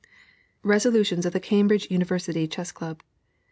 RESOLUTIONS OF THE CAMBRIDGE UNIVERSITY CHESS CLUB.